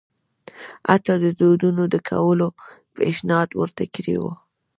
حتی د ودونو د کولو پېشنهاد ورته کړی وو.